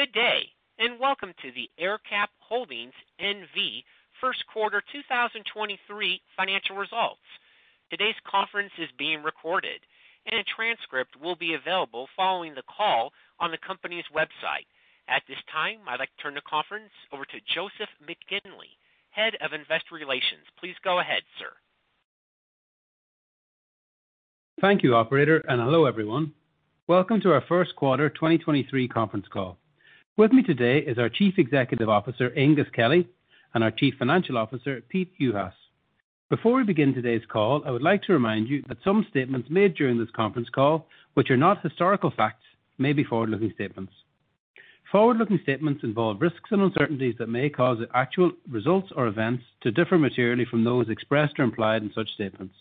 Good day, welcome to the AerCap Holdings N.V. first quarter 2023 financial results. Today's conference is being recorded, and a transcript will be available following the call on the company's website. At this time, I'd like to turn the conference over to Joseph McGinley, Head of Investor Relations. Please go ahead, sir. Thank you, operator. Hello, everyone. Welcome to our first quarter 2023 conference call. With me today is our Chief Executive Officer, Aengus Kelly, and our Chief Financial Officer, Pete Juhas. Before we begin today's call, I would like to remind you that some statements made during this conference call, which are not historical facts, may be forward-looking statements. Forward-looking statements involve risks and uncertainties that may cause the actual results or events to differ materially from those expressed or implied in such statements.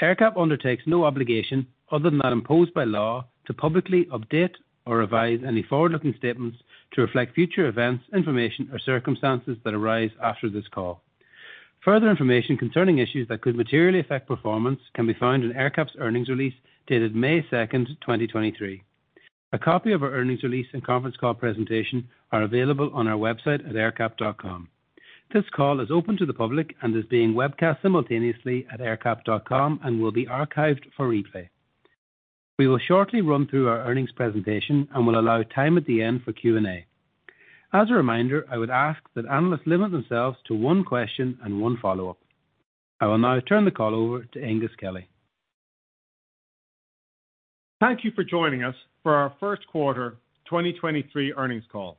AerCap undertakes no obligation other than that imposed by law to publicly update or revise any forward-looking statements to reflect future events, information, or circumstances that arise after this call. Further information concerning issues that could materially affect performance can be found in AerCap's earnings release dated May 2nd, 2023. A copy of our earnings release and conference call presentation are available on our website at aercap.com. This call is open to the public and is being webcast simultaneously at aercap.com and will be archived for replay. We will shortly run through our earnings presentation and will allow time at the end for Q&A. As a reminder, I would ask that analysts limit themselves to one question and one follow-up. I will now turn the call over to Aengus Kelly. Thank you for joining us for our first quarter 2023 earnings call.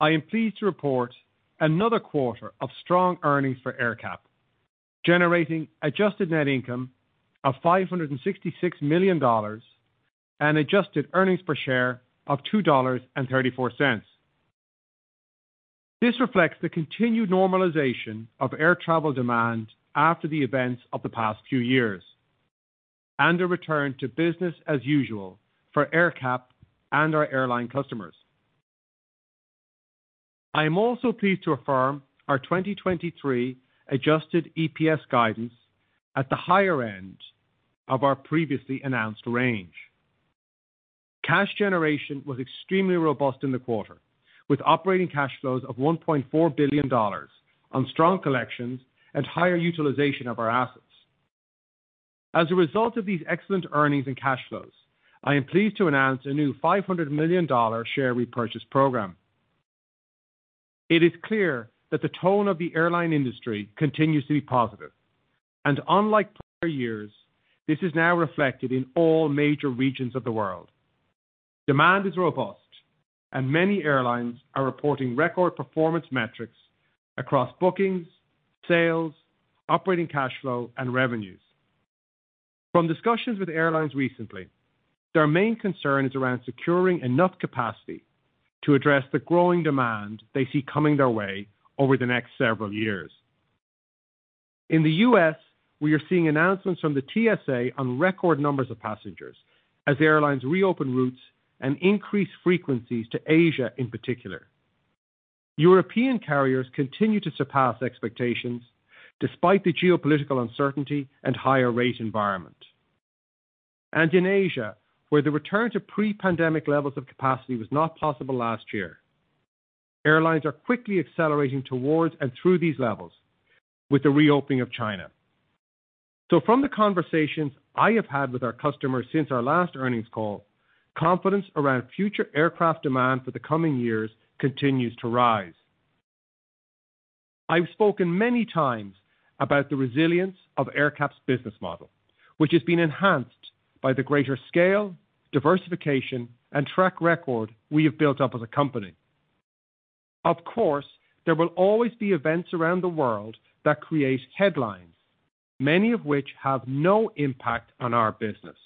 I am pleased to report another quarter of strong earnings for AerCap, generating adjusted net income of $566 million and adjusted earnings per share of $2.34. This reflects the continued normalization of air travel demand after the events of the past few years and a return to business as usual for AerCap and our airline customers. I am also pleased to affirm our 2023 adjusted EPS guidance at the higher end of our previously announced range. Cash generation was extremely robust in the quarter, with operating cash flows of $1.4 billion on strong collections and higher utilization of our assets. As a result of these excellent earnings and cash flows, I am pleased to announce a new $500 million share repurchase program. It is clear that the tone of the airline industry continues to be positive. Unlike prior years, this is now reflected in all major regions of the world. Demand is robust, and many airlines are reporting record performance metrics across bookings, sales, operating cash flow, and revenues. From discussions with airlines recently, their main concern is around securing enough capacity to address the growing demand they see coming their way over the next several years. In the U.S., we are seeing announcements from the TSA on record numbers of passengers as airlines reopen routes and increase frequencies to Asia in particular. European carriers continue to surpass expectations despite the geopolitical uncertainty and higher rate environment. In Asia, where the return to pre-pandemic levels of capacity was not possible last year, airlines are quickly accelerating towards and through these levels with the reopening of China. From the conversations I have had with our customers since our last earnings call, confidence around future aircraft demand for the coming years continues to rise. I've spoken many times about the resilience of AerCap's business model, which has been enhanced by the greater scale, diversification, and track record we have built up as a company. Of course, there will always be events around the world that create headlines, many of which have no impact on our business.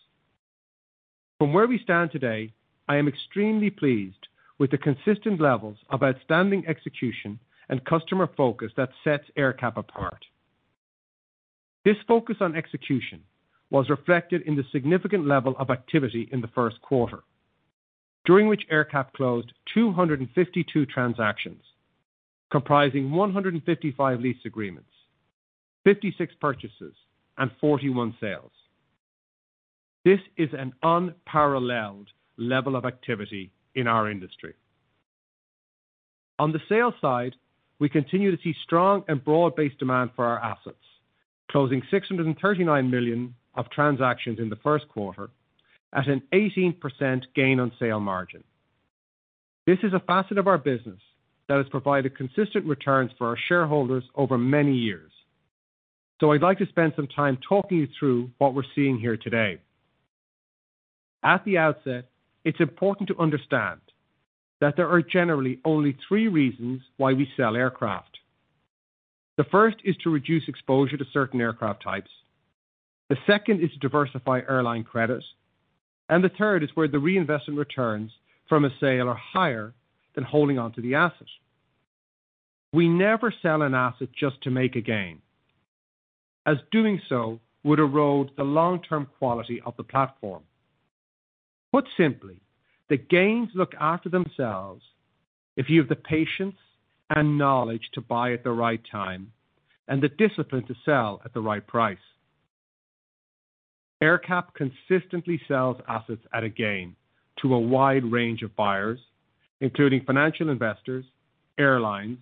From where we stand today, I am extremely pleased with the consistent levels of outstanding execution and customer focus that sets AerCap apart. This focus on execution was reflected in the significant level of activity in the first quarter, during which AerCap closed 252 transactions, comprising 155 lease agreements, 56 purchases, and 41 sales. This is an unparalleled level of activity in our industry. On the sales side, we continue to see strong and broad-based demand for our assets, closing $639 million of transactions in the first quarter at an 18% gain on sale margin. This is a facet of our business that has provided consistent returns for our shareholders over many years. I'd like to spend some time talking you through what we're seeing here today. At the outset, it's important to understand that there are generally only three reasons why we sell aircraft. The first is to reduce exposure to certain aircraft types. The second is to diversify airline credit. The third is where the reinvestment returns from a sale are higher than holding onto the asset. We never sell an asset just to make a gain, as doing so would erode the long-term quality of the platform. Put simply, the gains look after themselves if you have the patience and knowledge to buy at the right time and the discipline to sell at the right price. AerCap consistently sells assets at a gain to a wide range of buyers, including financial investors, airlines,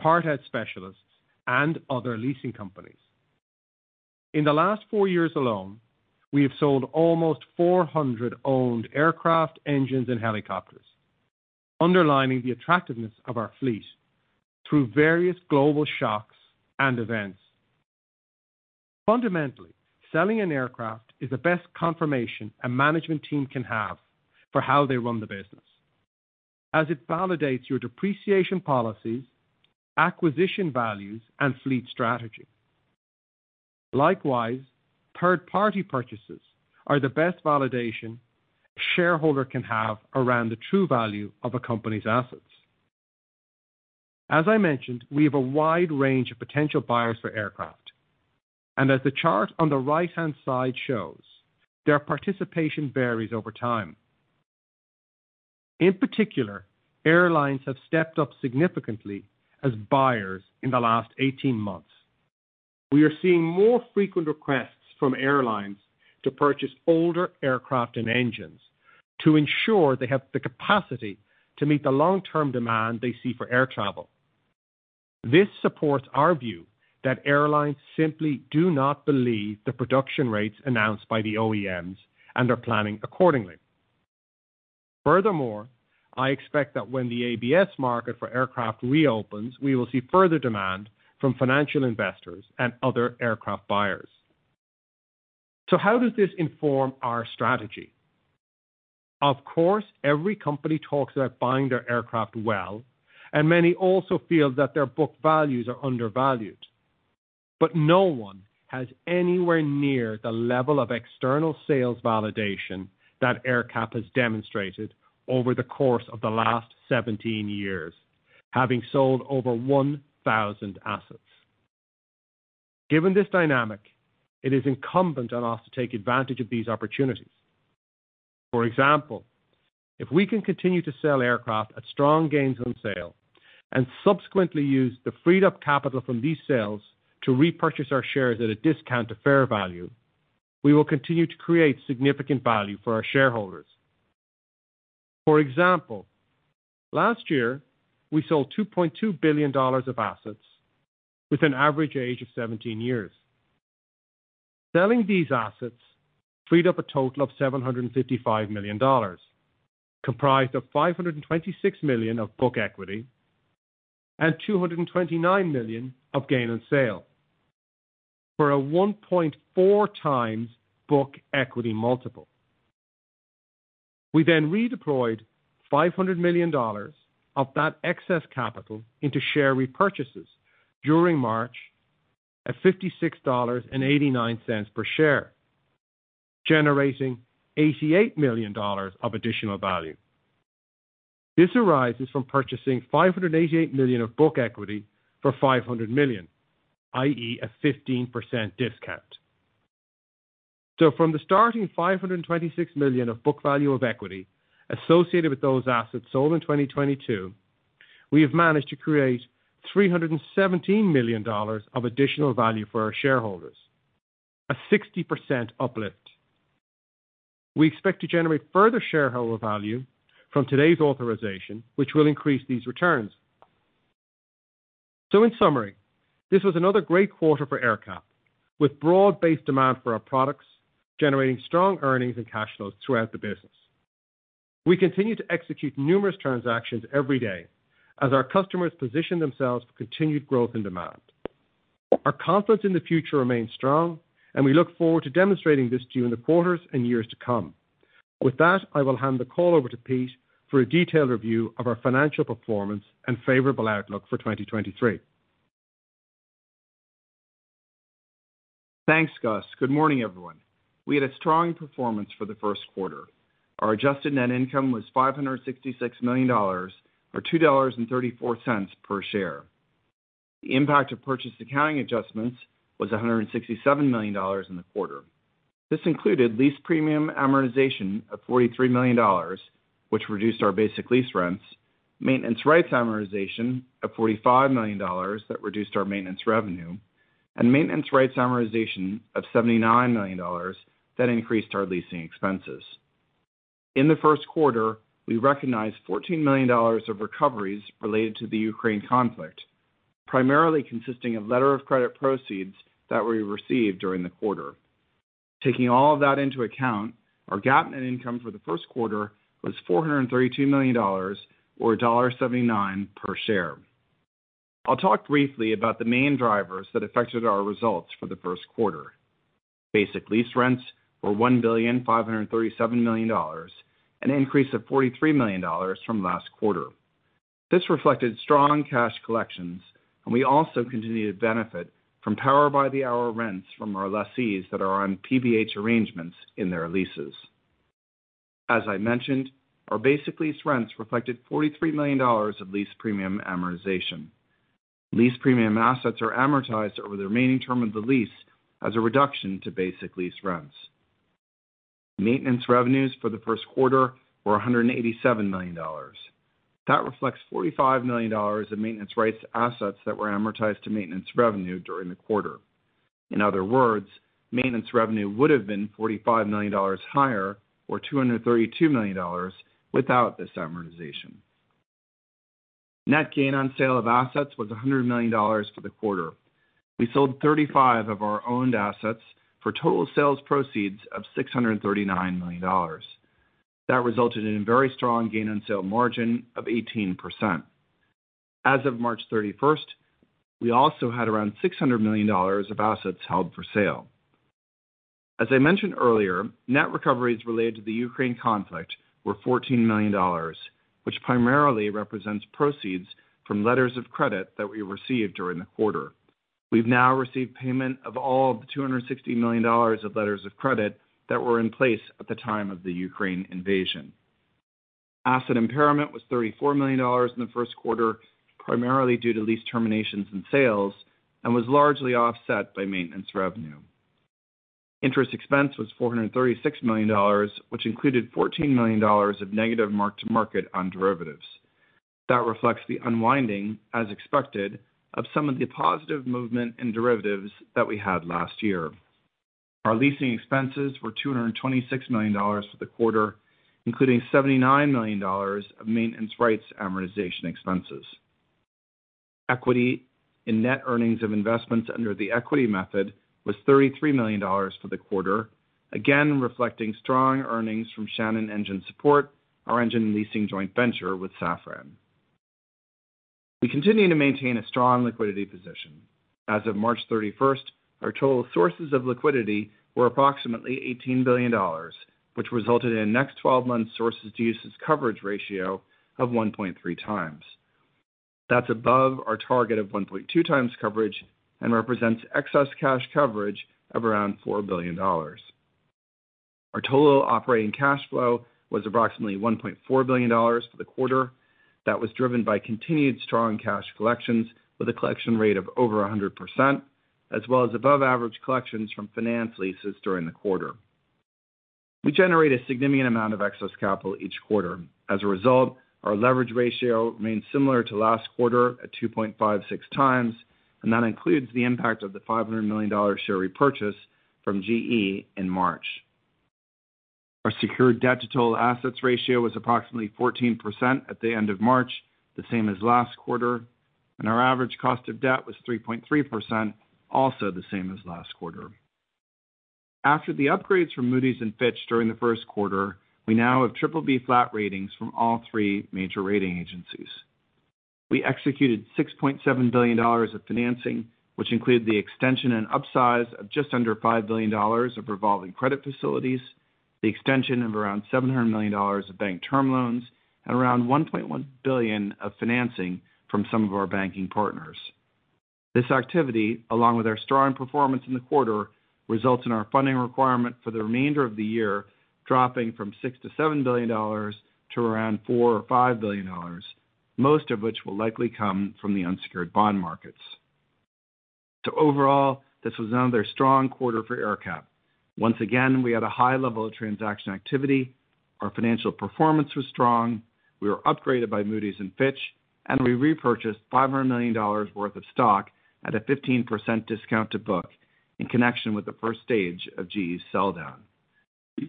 part-out specialists, and other leasing companies. In the last four years alone, we have sold almost 400 owned aircraft, engines, and helicopters, underlining the attractiveness of our fleet through various global shocks and events. Fundamentally, selling an aircraft is the best confirmation a management team can have for how they run the business, as it validates your depreciation policies, acquisition values, and fleet strategy. Likewise, third-party purchases are the best validation a shareholder can have around the true value of a company's assets. As I mentioned, we have a wide range of potential buyers for aircraft, and as the chart on the right-hand side shows, their participation varies over time. In particular, airlines have stepped up significantly as buyers in the last 18 months. We are seeing more frequent requests from airlines to purchase older aircraft and engines to ensure they have the capacity to meet the long-term demand they see for air travel. This supports our view that airlines simply do not believe the production rates announced by the OEMs and are planning accordingly. Furthermore, I expect that when the ABS market for aircraft reopens, we will see further demand from financial investors and other aircraft buyers. How does this inform our strategy? Of course, every company talks about buying their aircraft well, and many also feel that their book values are undervalued. No one has anywhere near the level of external sales validation that AerCap has demonstrated over the course of the last 17 years, having sold over 1,000 assets. Given this dynamic, it is incumbent on us to take advantage of these opportunities. For example, if we can continue to sell aircraft at strong gains on sale and subsequently use the freed up capital from these sales to repurchase our shares at a discount to fair value, we will continue to create significant value for our shareholders. For example, last year, we sold $2.2 billion of assets with an average age of 17 years. Selling these assets freed up a total of $755 million, comprised of $526 million of book equity and $229 million of gain on sale for a 1.4x book equity multiple. We then redeployed $500 million of that excess capital into share repurchases during March at $56.89 per share, generating $88 million of additional value. This arises from purchasing $588 million of book equity for $500 million, i.e., a 15% discount. From the starting $526 million of book value of equity associated with those assets sold in 2022, we have managed to create $317 million of additional value for our shareholders, a 60% uplift. We expect to generate further shareholder value from today's authorization, which will increase these returns. In summary, this was another great quarter for AerCap, with broad-based demand for our products, generating strong earnings and cash flows throughout the business. We continue to execute numerous transactions every day as our customers position themselves for continued growth and demand. Our confidence in the future remains strong, and we look forward to demonstrating this to you in the quarters and years to come. With that, I will hand the call over to Pete for a detailed review of our financial performance and favorable outlook for 2023. Thanks, Gus. Good morning, everyone. We had a strong performance for the first quarter. Our adjusted net income was $566 million or $2.34 per share. The impact of purchase accounting adjustments was $167 million in the quarter. This included lease premium amortization of $43 million, which reduced our basic lease rents, maintenance rights amortization of $45 million that reduced our maintenance revenue, and maintenance rights amortization of $79 million that increased our leasing expenses. In the first quarter, we recognized $14 million of recoveries related to the Ukraine conflict, primarily consisting of letter of credit proceeds that we received during the quarter. Taking all of that into account, our GAAP net income for the first quarter was $432 million or $1.79 per share. I'll talk briefly about the main drivers that affected our results for the first quarter. Basic lease rents were $1,537 million, an increase of $43 million from last quarter. This reflected strong cash collections. We also continue to benefit from Power by the Hour rents from our lessees that are on PBH arrangements in their leases. As I mentioned, our basic lease rents reflected $43 million of lease premium amortization. Lease premium assets are amortized over the remaining term of the lease as a reduction to basic lease rents. Maintenance revenues for the first quarter were $187 million. That reflects $45 million in maintenance rights assets that were amortized to maintenance revenue during the quarter. In other words, maintenance revenue would have been $45 million higher, or $232 million without this amortization. Net gain on sale of assets was $100 million for the quarter. We sold 35 of our owned assets for total sales proceeds of $639 million. That resulted in a very strong gain on sale margin of 18%. As of March 31st, we also had around $600 million of assets held for sale. As I mentioned earlier, net recoveries related to the Ukraine conflict were $14 million, which primarily represents proceeds from letters of credit that we received during the quarter. We've now received payment of all the $260 million of letters of credit that were in place at the time of the Ukraine invasion. Asset impairment was $34 million in the first quarter, primarily due to lease terminations and sales, and was largely offset by maintenance revenue. Interest expense was $436 million, which included $14 million of negative mark-to-market on derivatives. That reflects the unwinding, as expected, of some of the positive movement in derivatives that we had last year. Our leasing expenses were $226 million for the quarter, including $79 million of maintenance rights amortization expenses. Equity and net earnings of investments under the equity method was $33 million for the quarter, again reflecting strong earnings from Shannon Engine Support, our engine leasing joint venture with Safran. We continue to maintain a strong liquidity position. As of March 31st, our total sources of liquidity were approximately $18 billion, which resulted in next 12 months sources to uses coverage ratio of 1.3x. That's above our target of 1.2x coverage and represents excess cash coverage of around $4 billion. Our total operating cash flow was approximately $1.4 billion for the quarter. That was driven by continued strong cash collections with a collection rate of over 100%, as well as above average collections from finance leases during the quarter. We generate a significant amount of excess capital each quarter. As a result, our leverage ratio remains similar to last quarter at 2.56x and that includes the impact of the $500 million share repurchase from GE in March. Our secured debt to total assets ratio was approximately 14% at the end of March, the same as last quarter, and our average cost of debt was 3.3%, also the same as last quarter. After the upgrades from Moody's and Fitch during the first quarter, we now have BBB flat ratings from all three major rating agencies. We executed $6.7 billion of financing, which included the extension and upsize of just under $5 billion of revolving credit facilities, the extension of around $700 million of bank term loans, and around $1.1 billion of financing from some of our banking partners. This activity, along with our strong performance in the quarter, results in our funding requirement for the remainder of the year, dropping from $6 billion-$7 billion to around $4 billion-$5 billion, most of which will likely come from the unsecured bond markets. Overall, this was another strong quarter for AerCap. Once again, we had a high level of transaction activity. Our financial performance was strong. We were upgraded by Moody's and Fitch, and we repurchased $500 million worth of stock at a 15% discount to book in connection with the first stage of GE's sell down.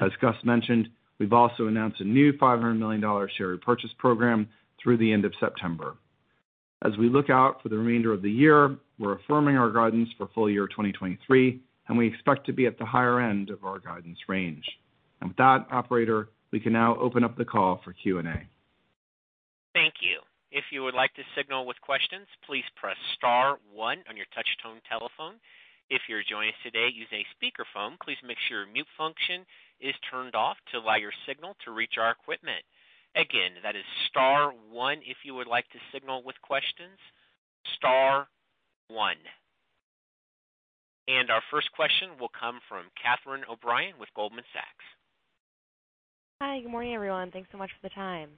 As Gus mentioned, we've also announced a new $500 million share repurchase program through the end of September. As we look out for the remainder of the year, we're affirming our guidance for full year 2023, and we expect to be at the higher end of our guidance range. With that, operator, we can now open up the call for Q&A. Thank you. If you would like to signal with questions, please press star one on your touch tone telephone. If you're joining us today using a speakerphone, please make sure your mute function is turned off to allow your signal to reach our equipment. Again, that is star one if you would like to signal with questions, star one. Our first question will come from Catherine O'Brien with Goldman Sachs. Hi. Good morning, everyone. Thanks so much for the time.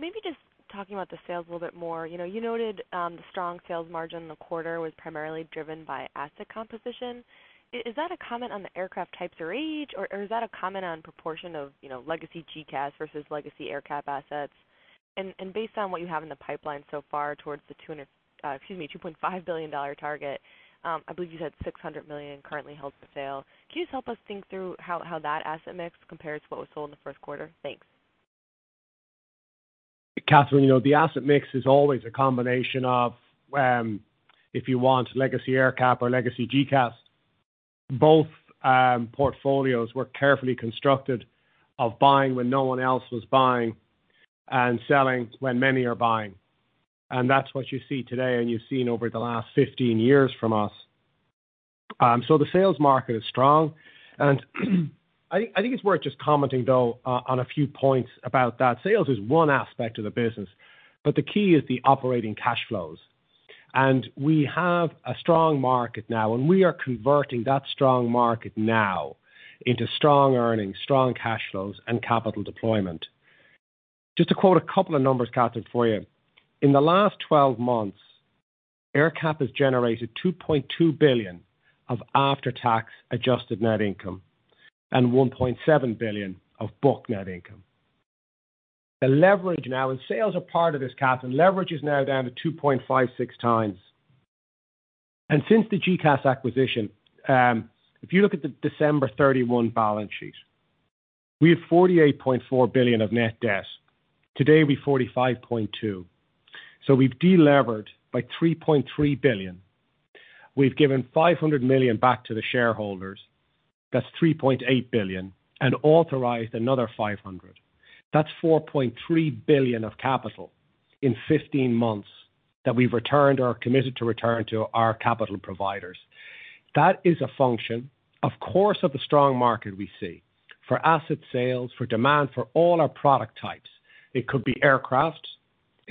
Maybe just talking about the sales a little bit more. You know, you noted, the strong sales margin in the quarter was primarily driven by asset composition. Is that a comment on the aircraft types or age, or is that a comment on proportion of, you know, legacy GECAS versus legacy AerCap assets? Based on what you have in the pipeline so far towards the $2.5 billion target, I believe you said $600 million currently held for sale. Can you just help us think through how that asset mix compares to what was sold in the first quarter? Thanks. Catherine, you know, the asset mix is always a combination of, if you want legacy AerCap or legacy GECAS. Both portfolios were carefully constructed of buying when no one else was buying and selling when many are buying. That's what you see today and you've seen over the last 15 years from us. The sales market is strong. I think it's worth just commenting, though, on a few points about that. Sales is one aspect of the business, but the key is the operating cash flows. We have a strong market now, and we are converting that strong market now into strong earnings, strong cash flows, and capital deployment. Just to quote a couple of numbers, Catherine, for you. In the last 12 months, AerCap has generated $2.2 billion of after-tax adjusted net income and $1.7 billion of book net income. The leverage now, and sales are part of this, Catherine, leverage is now down to 2.56x. Since the GECAS acquisition, if you look at the December 31 balance sheet, we have $48.4 billion of net debt. Today we're $45.2 billion. We've delevered by $3.3 billion. We've given $500 million back to the shareholders, that's $3.8 billion, and authorized another $500 million. That's $4.3 billion of capital in 15 months that we've returned or committed to return to our capital providers. That is a function, of course, of the strong market we see for asset sales, for demand for all our product types. It could be aircraft,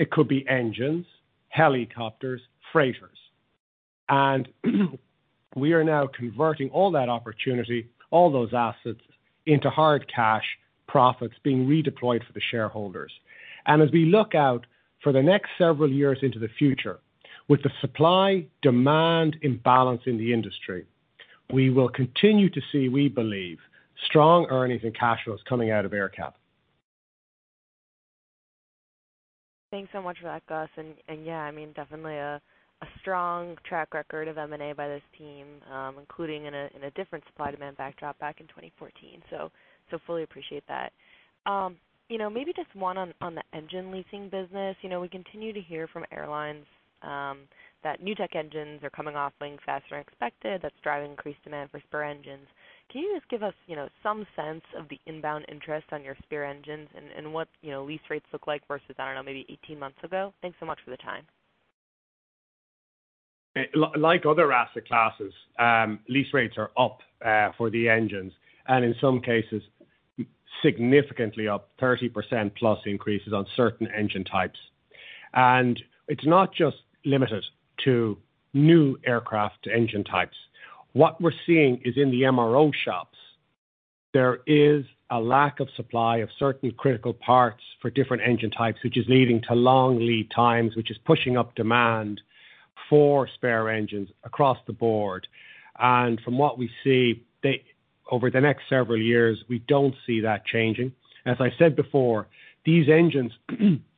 it could be engines, helicopters, freighters. We are now converting all that opportunity, all those assets, into hard cash profits being redeployed for the shareholders. As we look out for the next several years into the future, with the supply-demand imbalance in the industry, we will continue to see, we believe, strong earnings and cash flows coming out of AerCap. Thanks so much for that, Gus. Yeah, I mean, definitely a strong track record of M&A by this team, including in a different supply demand backdrop back in 2014. Fully appreciate that. You know, maybe just one on the engine leasing business. You know, we continue to hear from airlines that new tech engines are coming off being faster than expected. That's driving increased demand for spare engines. Can you just give us, you know, some sense of the inbound interest on your spare engines and what, you know, lease rates look like versus, I don't know, maybe 18 months ago? Thanks so much for the time. Like other asset classes, lease rates are up for the engines and in some cases significantly up 30%+ increases on certain engine types. It's not just limited to new aircraft engine types. What we're seeing is in the MRO shops, there is a lack of supply of certain critical parts for different engine types, which is leading to long lead times, which is pushing up demand for spare engines across the board. From what we see, over the next several years, we don't see that changing. As I said before, these engines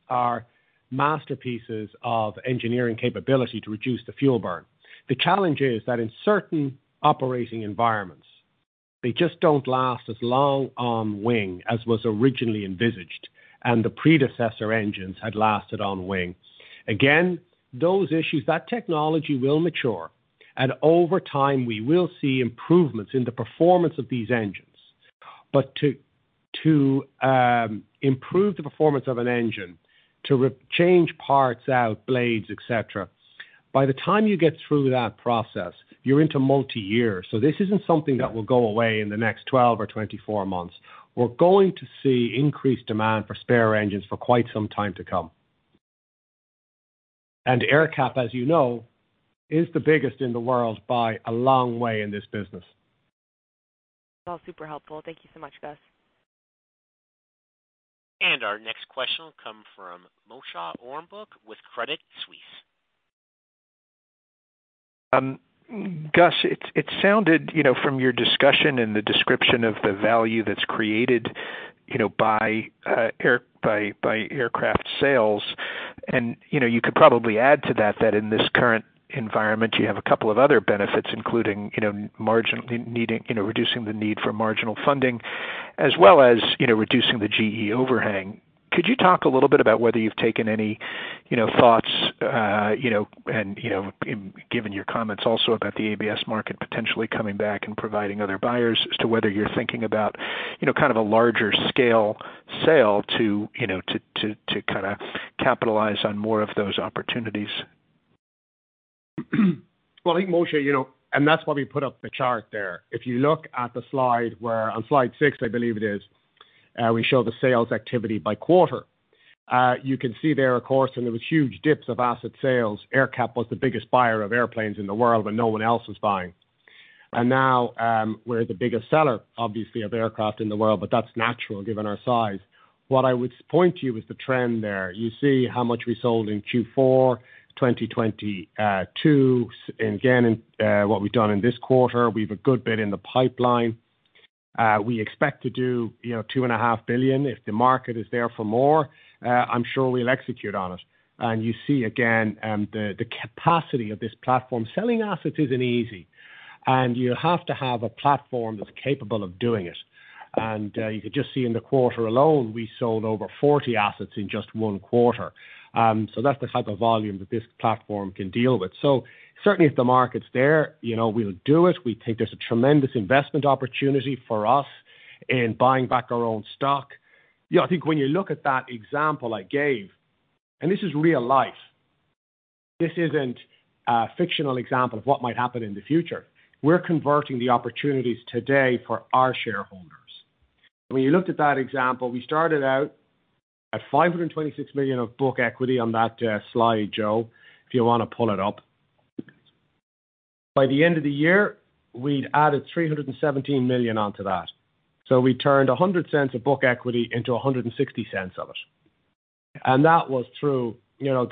are masterpieces of engineering capability to reduce the fuel burn. The challenge is that in certain operating environments, they just don't last as long on wing as was originally envisaged, and the predecessor engines had lasted on wing. Those issues, that technology will mature, and over time, we will see improvements in the performance of these engines. To improve the performance of an engine, change parts out, blades, et cetera, by the time you get through that process, you're into multi-year. This isn't something that will go away in the next 12 or 24 months. We're going to see increased demand for spare engines for quite some time to come. AerCap, as you know, is the biggest in the world by a long way in this business. It's all super helpful. Thank you so much, Gus. Our next question will come from Moshe Orenbuch with Credit Suisse. Gus, it sounded, you know, from your discussion and the description of the value that's created, you know, by aircraft sales, and, you know, you could probably add to that in this current environment you have a couple of other benefits, including, you know, margin needing, you know, reducing the need for marginal funding as well as, you know, reducing the GE overhang. Could you talk a little bit about whether you've taken any, you know, thoughts, you know, and, you know, given your comments also about the ABS market potentially coming back and providing other buyers as to whether you're thinking about, you know, kind of a larger scale sale to kinda capitalize on more of those opportunities? Well, I think, Moshe, you know, that's why we put up the chart there. If you look at the slide on slide six, I believe it is, we show the sales activity by quarter. You can see there, of course, there was huge dips of asset sales. AerCap was the biggest buyer of airplanes in the world when no one else was buying. Now, we're the biggest seller, obviously, of aircraft in the world, but that's natural given our size. What I would point to you is the trend there. You see how much we sold in Q4 2022. Again, in what we've done in this quarter, we've a good bit in the pipeline. We expect to do, you know, $two and a half billion. If the market is there for more, I'm sure we'll execute on it. You see again, the capacity of this platform. Selling assets isn't easy, and you have to have a platform that's capable of doing it. You could just see in the quarter alone, we sold over 40 assets in just one quarter. That's the type of volume that this platform can deal with. Certainly if the market's there, you know, we'll do it. We think there's a tremendous investment opportunity for us in buying back our own stock. You know, I think when you look at that example I gave, and this is real life, this isn't a fictional example of what might happen in the future. We're converting the opportunities today for our shareholders. When you looked at that example, we started out at $526 million of book equity on that slide, Joseph, if you wanna pull it up. By the end of the year, we'd added $317 million onto that. We turned $1.00 of book equity into $1.60 of it. That was through, you know,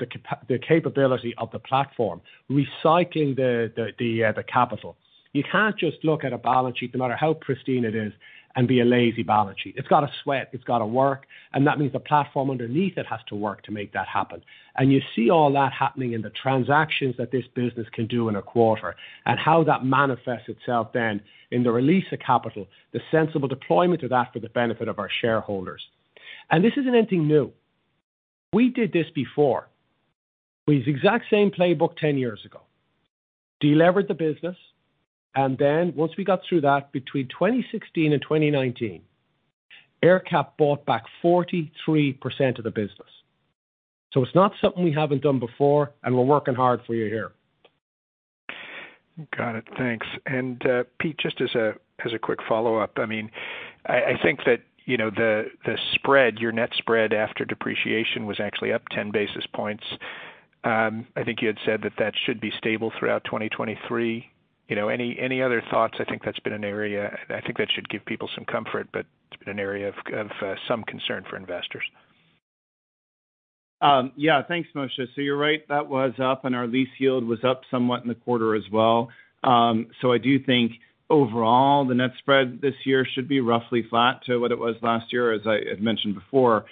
the capability of the platform, recycling the capital. You can't just look at a balance sheet, no matter how pristine it is, and be a lazy balance sheet. It's gotta sweat, it's gotta work, and that means the platform underneath it has to work to make that happen. You see all that happening in the transactions that this business can do in a quarter, and how that manifests itself then in the release of capital, the sensible deployment of that for the benefit of our shareholders. This isn't anything new. We did this before with the exact same playbook 10 years ago. Delevered the business, and then once we got through that, between 2016 and 2019, AerCap bought back 43% of the business. It's not something we haven't done before, and we're working hard for you here. Got it. Thanks. Pete, just as a quick follow-up. I mean, I think that, you know, the spread, your net spread after depreciation was actually up 10 basis points. I think you had said that that should be stable throughout 2023. You know, any other thoughts? I think that's been an area. I think that should give people some comfort, but it's been an area of some concern for investors. Yeah. Thanks, Moshe. You're right, that was up, and our lease yield was up somewhat in the quarter as well. I do think overall the net spread this year should be roughly flat to what it was last year, as I had mentioned before.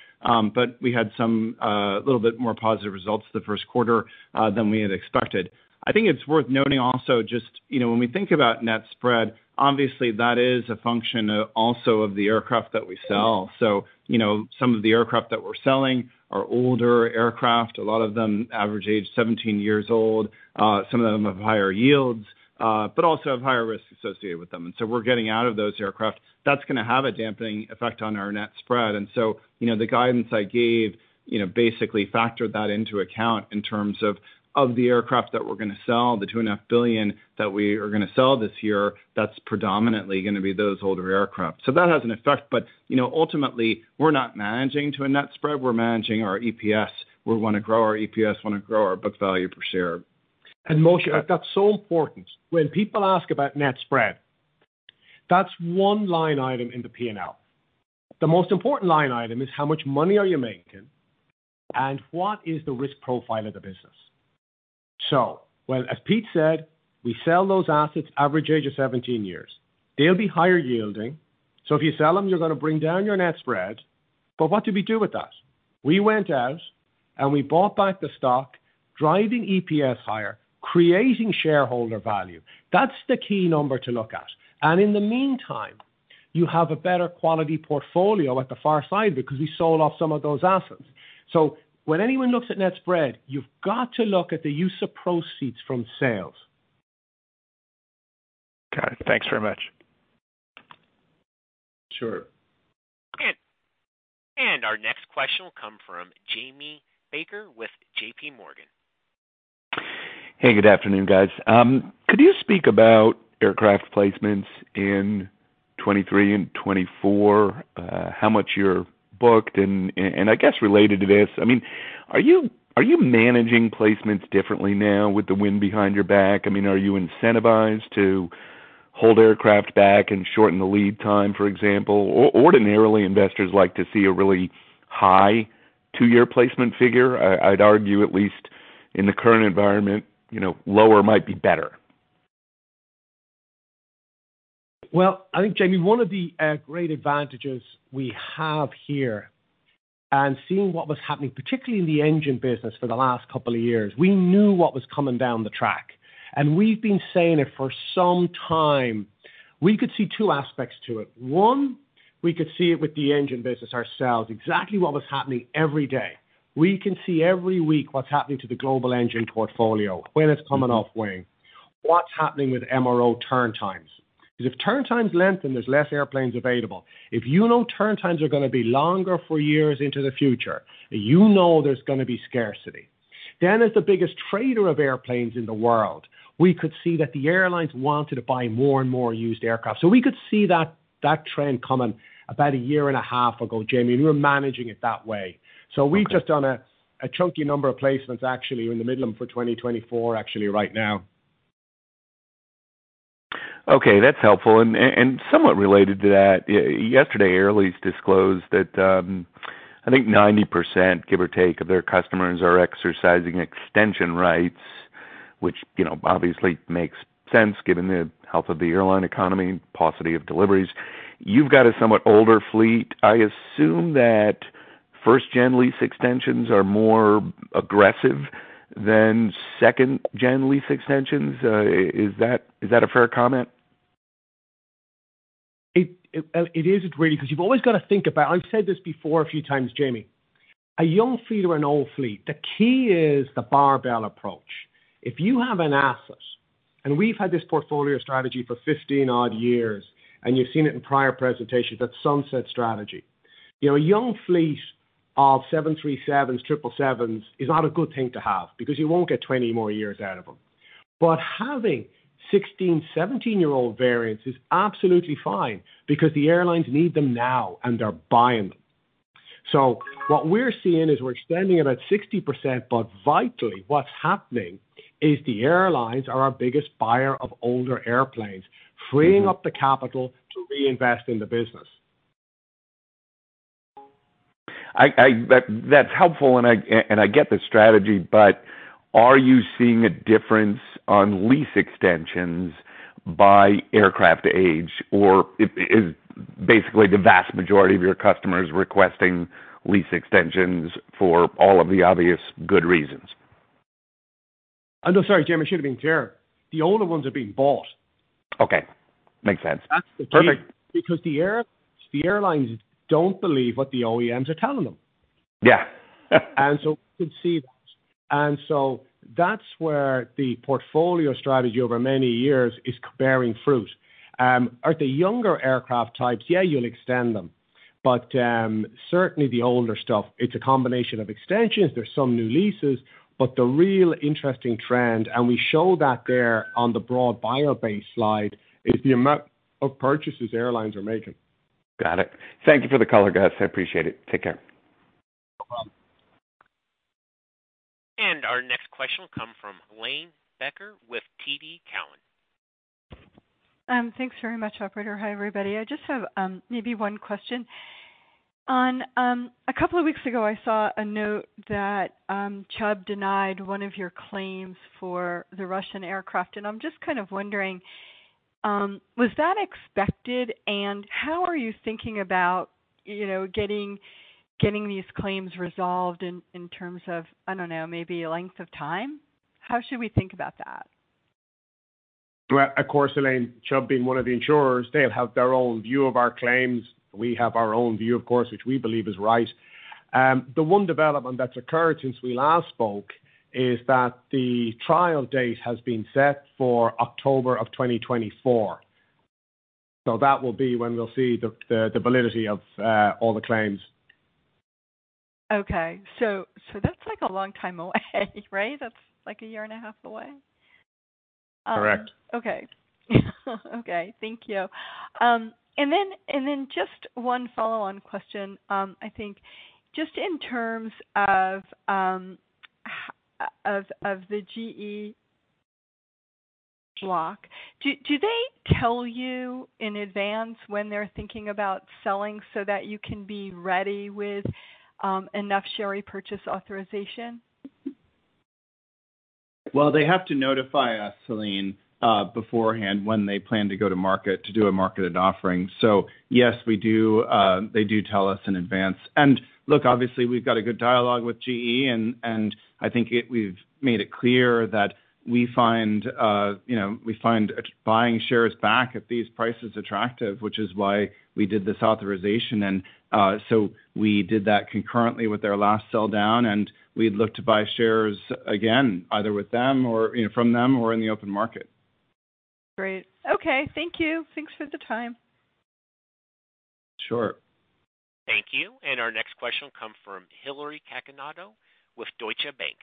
We had some, little bit more positive results the first quarter, than we had expected. I think it's worth noting also just, you know, when we think about net spread, obviously that is a function also of the aircraft that we sell. You know, some of the aircraft that we're selling are older aircraft. A lot of them average age 17 years old. Some of them have higher yields, but also have higher risks associated with them. We're getting out of those aircraft. That's gonna have a damping effect on our net spread. You know, the guidance I gave, you know, basically factored that into account in terms of the aircraft that we're gonna sell, the two and a half billion that we are gonna sell this year, that's predominantly gonna be those older aircraft. That has an effect, but, you know, ultimately, we're not managing to a net spread. We're managing our EPS. We wanna grow our EPS, wanna grow our book value per share. Moshe, that's so important. When people ask about net spread, that's one line item in the P&L. The most important line item is how much money are you making and what is the risk profile of the business. Well, as Pete said, we sell those assets average age of 17 years. They'll be higher yielding. If you sell them, you're gonna bring down your net spread. What did we do with that? We went out, and we bought back the stock, driving EPS higher, creating shareholder value. That's the key number to look at. In the meantime, you have a better quality portfolio at the far side because we sold off some of those assets. When anyone looks at net spread, you've got to look at the use of proceeds from sales. Got it. Thanks very much. Sure. Okay. Our next question will come from Jamie Baker with JPMorgan. Hey, good afternoon, guys. Could you speak about aircraft placements in 23 and 24, how much you're booked? I guess related to this, I mean, are you, are you managing placements differently now with the wind behind your back? I mean, are you incentivized to hold aircraft back and shorten the lead time, for example? Ordinarily, investors like to see a really high two year placement figure. I'd argue, at least in the current environment, you know, lower might be better. I think, Jamie, one of the great advantages we have here and seeing what was happening, particularly in the engine business for the last couple of years, we knew what was coming down the track, and we've been saying it for some time. We could see two aspects to it. One, we could see it with the engine business ourselves, exactly what was happening every day. We can see every week what's happening to the global engine portfolio, when it's coming off wing, what's happening with MRO turn times. If turn times lengthen, there's less airplanes available. If you know turn times are gonna be longer for years into the future, you know there's gonna be scarcity. As the biggest trader of airplanes in the world, we could see that the airlines wanted to buy more and more used aircraft. We could see that trend coming about a year and a half ago, Jamie, and we were managing it that way. Okay. We've just done a chunky number of placements actually, we're in the middle of them for 2024 actually right now. Okay, that's helpful. Somewhat related to that, yesterday, Air Lease disclosed that, I think 90%, give or take, of their customers are exercising extension rights, which, you know, obviously makes sense given the health of the airline economy, paucity of deliveries. You've got a somewhat older fleet. I assume that 1st gen lease extensions are more aggressive than 2nd gen lease extensions. Is that a fair comment? It is really, because you've always got to think about. I've said this before a few times, Jamie. A young fleet or an old fleet, the key is the barbell approach. If you have an asset, and we've had this portfolio strategy for 15-odd years, and you've seen it in prior presentations, that sunset strategy. You know, a young fleet of 737s, 777s is not a good thing to have because you won't get 20 more years out of them. Having 16, 17-year-old variants is absolutely fine because the airlines need them now, and they're buying them. What we're seeing is we're extending about 60%, but vitally, what's happening is the airlines are our biggest buyer of older airplanes, freeing up the capital to reinvest in the business. I That's helpful, and I get the strategy. Are you seeing a difference on lease extensions by aircraft age? Or is basically the vast majority of your customers requesting lease extensions for all of the obvious good reasons? I'm sorry, Jamie, I should have been clear. The older ones are being bought. Okay. Makes sense. That's the key. Perfect. The airlines don't believe what the OEMs are telling them. Yeah. We can see that. That's where the portfolio strategy over many years is bearing fruit. At the younger aircraft types, yeah, you'll extend them. Certainly the older stuff, it's a combination of extensions. There's some new leases, but the real interesting trend, and we show that there on the broad buyer base slide, is the amount of purchases airlines are making. Got it. Thank you for the color, guys. I appreciate it. Take care. No problem. Our next question will come from Helane Becker with TD Cowen. Thanks very much, operator. Hi, everybody. I just have maybe one question. A couple of weeks ago, I saw a note that Chubb denied one of your claims for the Russian aircraft. I'm just kind of wondering, was that expected? How are you thinking about, you know, getting these claims resolved in terms of, I don't know, maybe length of time? How should we think about that? Well, of course, Helane Chubb being one of the insurers, they'll have their own view of our claims. We have our own view, of course, which we believe is right. The one development that's occurred since we last spoke is that the trial date has been set for October of 2024. That will be when we'll see the validity of all the claims. Okay. That's like a long time away, right? That's like a year and a half away. Correct. Okay. Thank you. Then just one follow-on question. I think just in terms of the GE block, do they tell you in advance when they're thinking about selling so that you can be ready with enough share repurchase authorization? Well, they have to notify us, Helane, beforehand when they plan to go to market to do a marketed offering. Yes, we do. They do tell us in advance. Look, obviously we've got a good dialogue with GE and I think we've made it clear that we find, you know, we find buying shares back at these prices attractive, which is why we did this authorization. We did that concurrently with their last sell down, and we'd look to buy shares again, either with them or, you know, from them or in the open market. Great. Okay. Thank you. Thanks for the time. Sure. Thank you. Our next question will come from Hillary Cacanando with Deutsche Bank.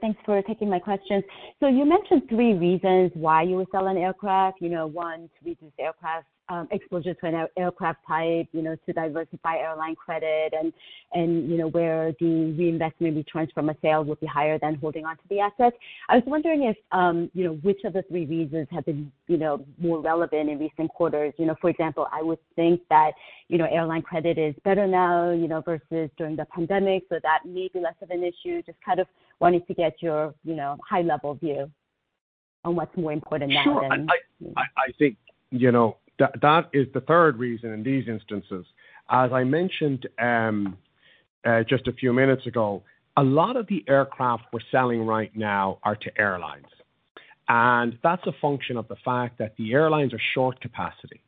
Thanks for taking my question. You mentioned three reasons why you were selling aircraft. You know, one, to reduce aircraft exposure to an aircraft type, you know, to diversify airline credit and, you know, where the reinvestment returns from a sale will be higher than holding onto the asset. I was wondering if, you know, which of the three reasons have been, you know, more relevant in recent quarters. You know, for example, I would think that, you know, airline credit is better now, you know, versus during the pandemic. That may be less of an issue. Kind of wanting to get your, you know, high level view on what's more important now. Sure. I think you know, that is the third reason in these instances. As I mentioned, just a few minutes ago, a lot of the aircraft we're selling right now are to airlines. That's a function of the fact that the airlines are short capacity.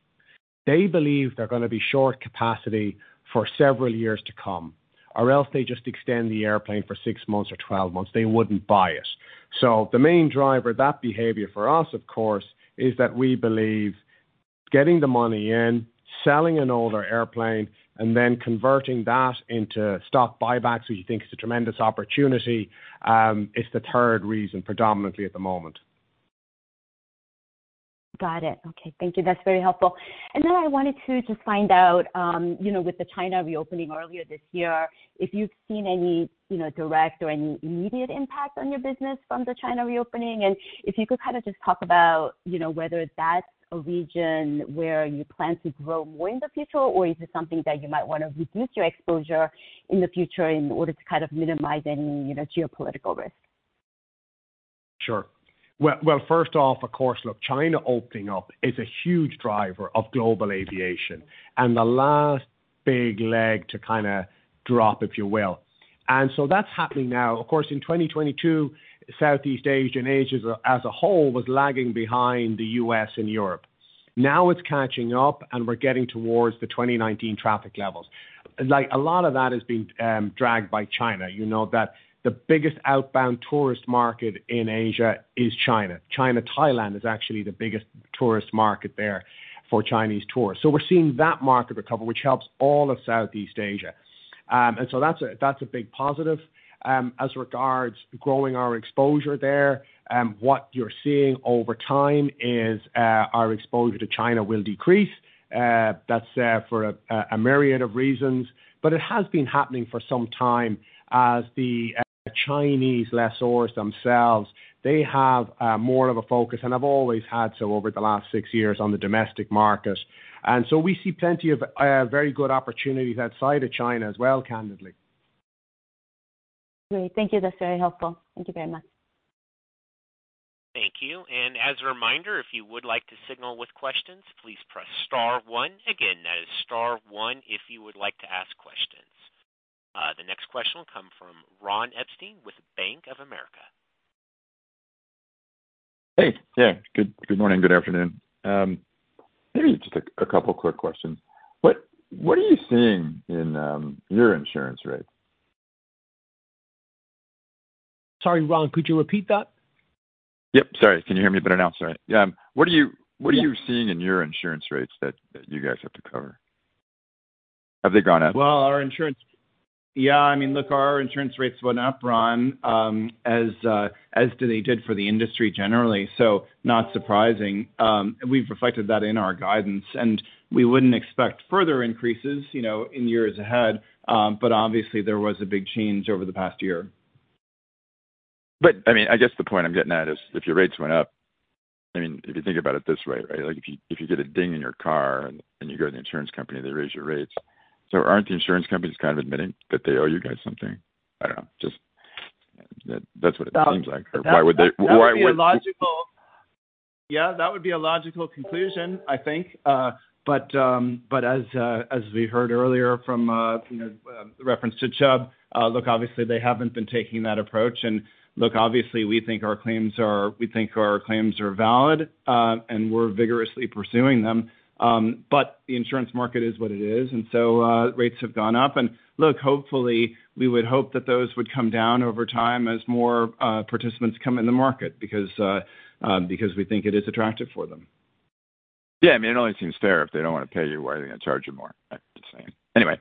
They believe they're gonna be short capacity for several years to come, or else they just extend the airplane for six months or 12 months. They wouldn't buy it. The main driver, that behavior for us, of course, is that we believe getting the money in, selling an older airplane, and then converting that into stock buybacks, we think is a tremendous opportunity, is the third reason predominantly at the moment. Got it. Okay. Thank you. That's very helpful. I wanted to just find out, you know, with the China reopening earlier this year, if you've seen any, you know, direct or any immediate impact on your business from the China reopening, and if you could kind of just talk about, you know, whether that's a region where you plan to grow more in the future, or is it something that you might want to reduce your exposure in the future in order to kind of minimize any, you know, geopolitical risk? Sure. Well, first off, of course, look, China opening up is a huge driver of global aviation and the last big leg to kinda drop, if you will. That's happening now. Of course, in 2022, Southeast Asia and Asia as a whole was lagging behind the U.S. and Europe. It's catching up, and we're getting towards the 2019 traffic levels. Like, a lot of that is being dragged by China. You know that the biggest outbound tourist market in Asia is China. China, Thailand is actually the biggest tourist market there for Chinese tourists. We're seeing that market recover, which helps all of Southeast Asia. That's a big positive. As regards growing our exposure there, what you're seeing over time is our exposure to China will decrease. That's for a myriad of reasons, but it has been happening for some time as the Chinese lessors themselves, they have more of a focus, and have always had so over the last six years on the domestic market. We see plenty of very good opportunities outside of China as well, candidly. Great. Thank you. That's very helpful. Thank you very much. Thank you. As a reminder, if you would like to signal with questions, please press star one. Again, that is star one if you would like to ask questions. The next question will come from Ron Epstein with Bank of America. Hey. Yeah. Good morning, good afternoon. Maybe just a couple quick questions. What are you seeing in your insurance rates? Sorry, Ron, could you repeat that? Yep. Sorry. Can you hear me better now? Sorry. Yeah. What are you seeing in your insurance rates that you guys have to cover? Have they gone up? Well, our insurance. Yeah, I mean, look, our insurance rates went up, Ron, as they did for the industry generally. Not surprising. We've reflected that in our guidance. We wouldn't expect further increases, you know, in years ahead. Obviously there was a big change over the past year. I mean, I guess the point I'm getting at is if your rates went up, I mean, if you think about it this way, right? Like if you get a ding in your car and you go to the insurance company, they raise your rates. Aren't the insurance companies kind of admitting that they owe you guys something? I don't know, just that's what it seems like. Why would they. That would be a logical. Why would. Yeah, that would be a logical conclusion, I think. As we heard earlier from, you know, the reference to Chubb, look, obviously they haven't been taking that approach. Look, obviously we think our claims are valid, and we're vigorously pursuing them. The insurance market is what it is. So, rates have gone up. Look, hopefully, we would hope that those would come down over time as more participants come in the market because we think it is attractive for them. Yeah, I mean, it only seems fair if they don't wanna pay you, why are they gonna charge you more? I'm just saying. Anyway.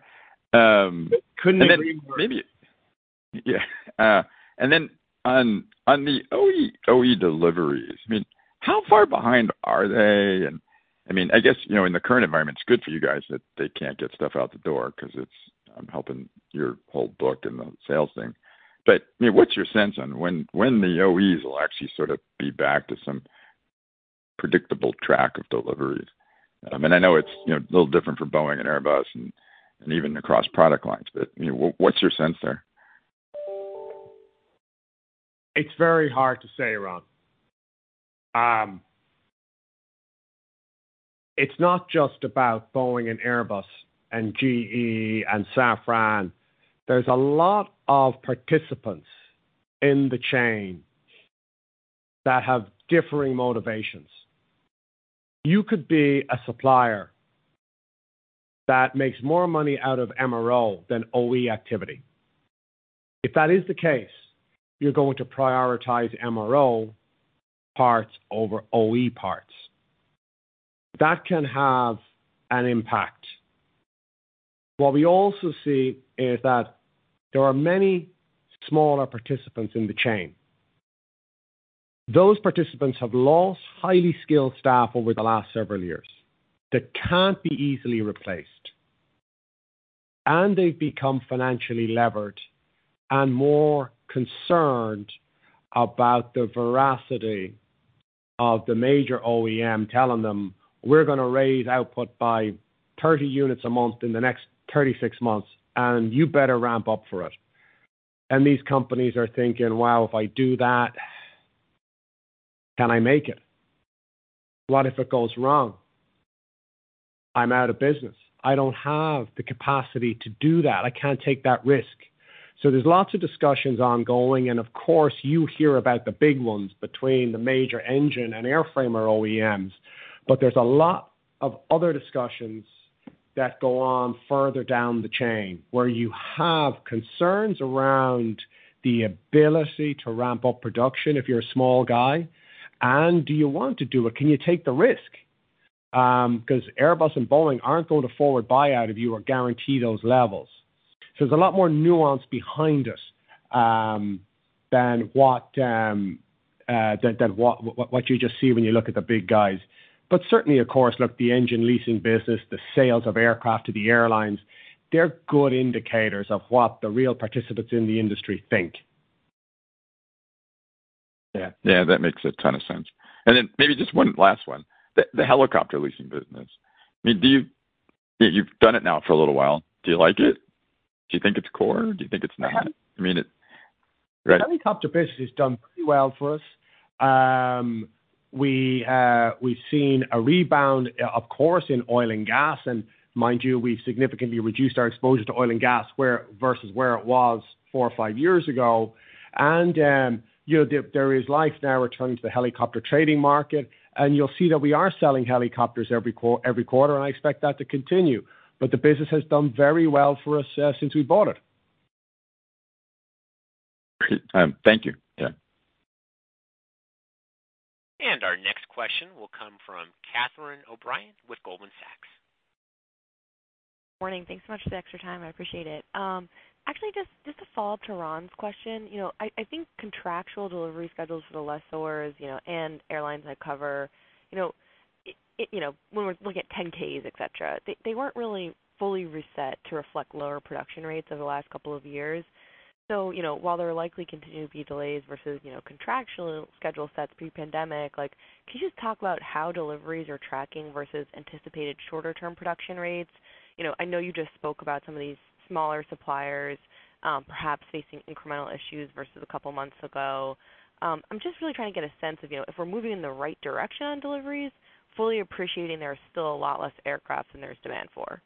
Couldn't agree more. Maybe. Yeah. On the OE deliveries, I mean, how far behind are they? I mean, I guess, you know, in the current environment, it's good for you guys that they can't get stuff out the door `cause it's helping your whole book and the sales thing. I mean, what's your sense on when the OEs will actually sort of be back to some predictable track of deliveries? I know it's, you know, a little different for Boeing and Airbus and even across product lines, but, you know, what's your sense there? It's very hard to say, Ron. It's not just about Boeing and Airbus and GE and Safran. There's a lot of participants in the chain that have differing motivations. You could be a supplier that makes more money out of MRO than OE activity. If that is the case, you're going to prioritize MRO parts over OE parts. That can have an impact. What we also see is that there are many smaller participants in the chain. Those participants have lost highly skilled staff over the last several years that can't be easily replaced, and they've become financially levered and more concerned about the veracity of the major OEM telling them, "We're gonna raise output by 30 units a month in the next 36 months, and you better ramp up for it." These companies are thinking, "Wow, if I do that, can I make it? What if it goes wrong? I'm out of business. I don't have the capacity to do that. I can't take that risk." There's lots of discussions ongoing, and of course, you hear about the big ones between the major engine and airframer OEMs, but there's a lot of other discussions that go on further down the chain where you have concerns around the ability to ramp up production if you're a small guy, and do you want to do it? Can you take the risk? 'Cause Airbus and Boeing aren't going to forward buy out of you or guarantee those levels. There's a lot more nuance behind us than what than what you just see when you look at the big guys. Certainly, of course, look, the engine leasing business, the sales of aircraft to the airlines, they're good indicators of what the real participants in the industry think. Yeah. Yeah, that makes a ton of sense. Then maybe just one last one. The helicopter leasing business. I mean, You've done it now for a little while. Do you like it? Do you think it's core? Do you think it's not? I mean. The helicopter business has done pretty well for us. We've seen a rebound, of course, in oil and gas. Mind you, we've significantly reduced our exposure to oil and gas where, versus where it was four or five years ago. You know, there is life now returning to the helicopter trading market, and you'll see that we are selling helicopters every quarter, and I expect that to continue. The business has done very well for us since we bought it. Great. Thank you. Yeah. Our next question will come from Catherine O'Brien with Goldman Sachs. Morning. Thanks so much for the extra time, I appreciate it. Actually, just to follow up to Ron's question. You know, I think contractual delivery schedules for the lessors, you know, and airlines I cover, you know, it, you know, when we're looking at 10-Ks, et cetera, they weren't really fully reset to reflect lower production rates over the last couple of years. You know, while there are likely continue to be delays versus, you know, contractual schedule sets pre-pandemic, like, can you just talk about how deliveries are tracking versus anticipated shorter term production rates? You know, I know you just spoke about some of these smaller suppliers, perhaps facing incremental issues versus a couple months ago. I'm just really trying to get a sense of, you know, if we're moving in the right direction on deliveries, fully appreciating there are still a lot less aircraft than there's demand for.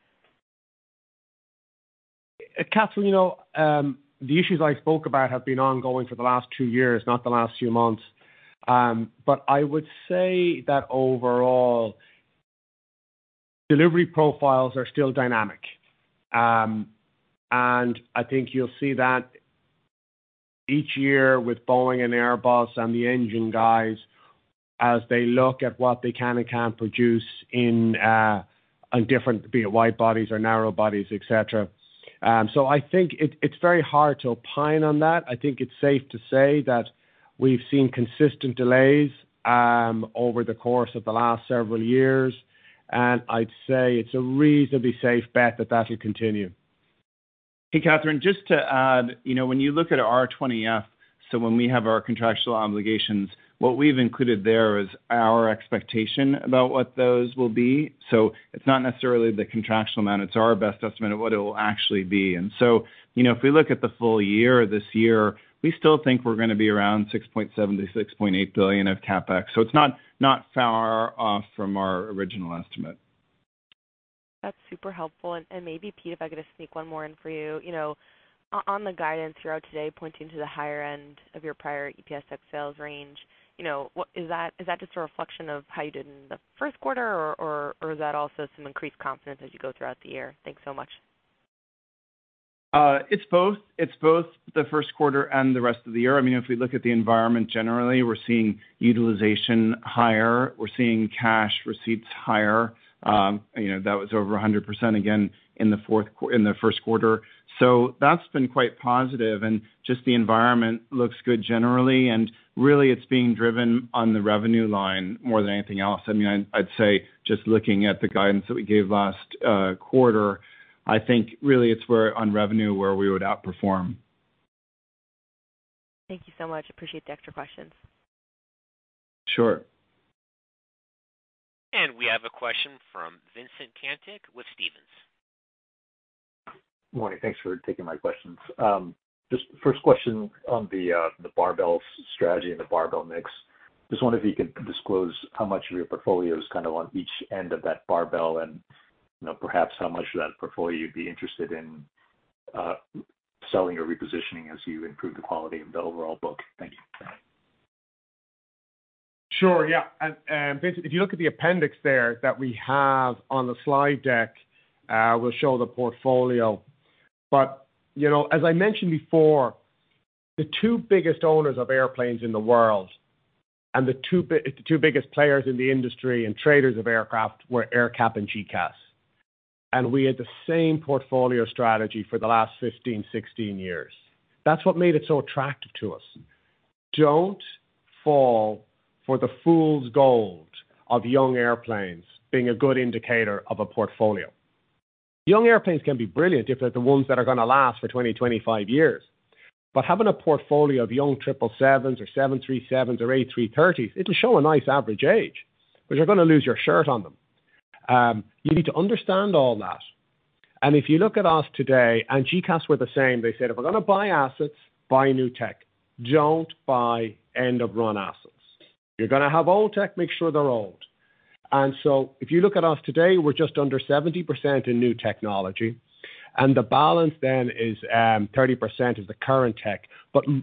Catherine, you know, the issues I spoke about have been ongoing for the last two years, not the last few months. I would say that overall delivery profiles are still dynamic. I think you'll see that each year with Boeing and Airbus and the engine guys as they look at what they can and can't produce in, on different, be it wide bodies or narrow bodies, et cetera. I think it's very hard to opine on that. I think it's safe to say that we've seen consistent delays, over the course of the last several years, and I'd say it's a reasonably safe bet that that'll continue. Hey, Catherine, just to add, you know, when you look at our 20-F, when we have our contractual obligations, what we've included there is our expectation about what those will be. It's not necessarily the contractual amount, it's our best estimate of what it will actually be. You know, if we look at the full year this year, we still think we're gonna be around $6.7 billion-$6.8 billion of CapEx. It's not far off from our original estimate. That's super helpful. Maybe, Pete, if I could just sneak one more in for you. You know, on the guidance throughout today, pointing to the higher end of your prior EPS sales range, you know, is that just a reflection of how you did in the first quarter, or is that also some increased confidence as you go throughout the year? Thanks so much. It's both. It's both the first quarter and the rest of the year. I mean, if we look at the environment, generally, we're seeing utilization higher, we're seeing cash receipts higher. You know, that was over 100% again in the first quarter. That's been quite positive. Just the environment looks good generally. Really it's being driven on the revenue line more than anything else. I mean, I'd say, just looking at the guidance that we gave last quarter, I think really it's where, on revenue where we would outperform. Thank you so much. Appreciate the extra questions. Sure. We have a question from Vincent Caintic with Stephens. Morning. Thanks for taking my questions. Just first question on the barbell strategy and the barbell mix. Just wonder if you could disclose how much of your portfolio is kind of on each end of that barbell and, you know, perhaps how much of that portfolio you'd be interested in selling or repositioning as you improve the quality of the overall book. Thank you. Sure. Yeah. Vincent, if you look at the appendix there that we have on the slide deck, we'll show the portfolio. You know, as I mentioned before, the two biggest owners of airplanes in the world and the two biggest players in the industry and traders of aircraft were AerCap and GECAS. We had the same portfolio strategy for the last 15, 16 years. That's what made it so attractive to us. Don't fall for the fool's gold of young airplanes being a good indicator of a portfolio. Young airplanes can be brilliant if they're the ones that are gonna last for 20, 25 years. Having a portfolio of young 777s or 737s or A330s, it'll show a nice average age, but you're gonna lose your shirt on them. You need to understand all that. If you look at us today, and GECAS were the same, they said, "If we're gonna buy assets, buy new tech. Don't buy end-of-run assets. If you're gonna have old tech, make sure they're old." If you look at us today, we're just under 70% in new technology, and the balance then is 30% is the current tech.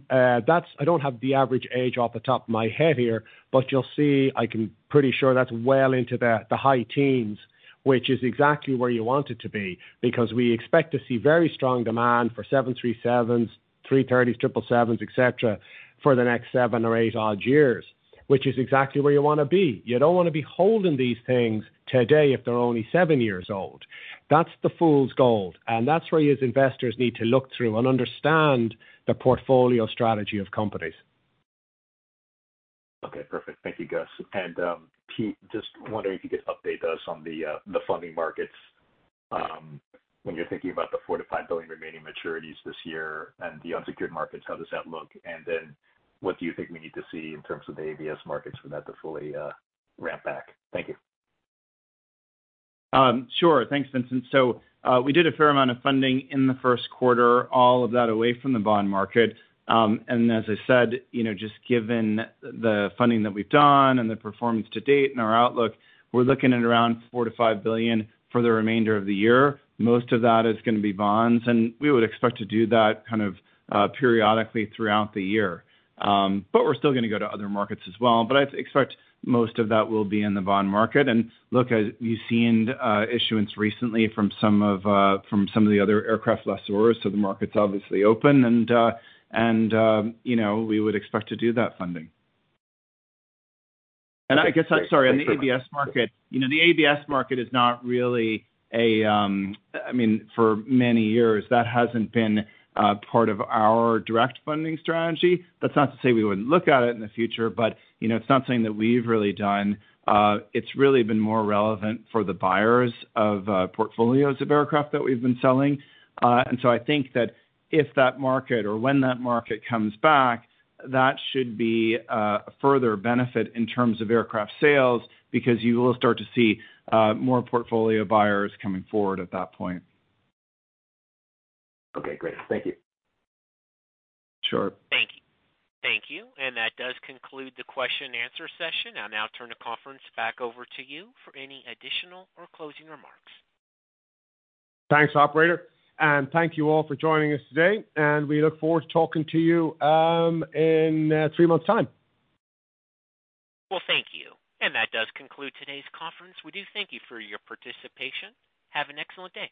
That's I don't have the average age off the top of my head here, but you'll see, I can pretty sure that's well into the high teens, which is exactly where you want it to be, because we expect to see very strong demand for 737s, A330s, 777s, etc., for the next seven or eight odd years, which is exactly where you wanna be. You don't wanna be holding these things today if they're only seven years old. That's the fool's gold, and that's where you as investors need to look through and understand the portfolio strategy of companies. Okay, perfect. Thank you, Gus. Pete, just wondering if you could update us on the funding markets, when you're thinking about the $4 billion-$5 billion remaining maturities this year and the unsecured markets, how does that look? What do you think we need to see in terms of the ABS markets for that to fully ramp back? Thank you. Sure. Thanks, Vincent. We did a fair amount of funding in the first quarter, all of that away from the bond market. As I said, you know, just given the funding that we've done and the performance to date and our outlook, we're looking at around $4 billion-$5 billion for the remainder of the year. Most of that is gonna be bonds, and we would expect to do that kind of periodically throughout the year. But we're still gonna go to other markets as well. But I'd expect most of that will be in the bond market. Look, as you've seen issuance recently from some of the other aircraft lessors, so the market's obviously open, and, you know, we would expect to do that funding. I guess, I'm sorry, on the ABS market, you know, the ABS market is not really a, I mean, for many years, that hasn't been part of our direct funding strategy. That's not to say we wouldn't look at it in the future, but, you know, it's not something that we've really done. It's really been more relevant for the buyers of portfolios of aircraft that we've been selling. I think that if that market or when that market comes back, that should be a further benefit in terms of aircraft sales, because you will start to see more portfolio buyers coming forward at that point. Okay, great. Thank you. Sure. Thank you. Thank you. That does conclude the question-and-answer session. I'll now turn the conference back over to you for any additional or closing remarks. Thanks, operator. Thank you all for joining us today, and we look forward to talking to you in three months' time. Well, thank you. That does conclude today's conference. We do thank you for your participation. Have an excellent day.